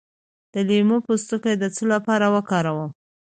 د لیمو پوستکی د څه لپاره وکاروم؟